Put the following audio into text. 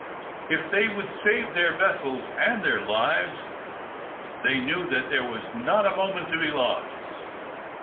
If they would save their vessels and their lives, they knew that there was not a moment to be lost.